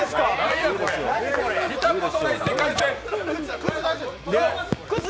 見たことない世界戦。